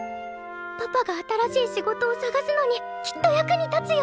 パパが新しい仕事を探すのにきっと役に立つよ。